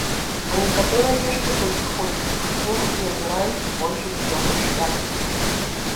А некаторыя яшчэ толькі ходзяць у школу і абіраюць свой жыццёвы шлях.